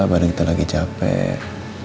barang kita lagi capek